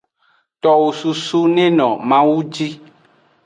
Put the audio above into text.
Towo susu neno mawu ji.